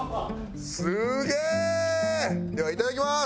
すげえ！ではいただきます！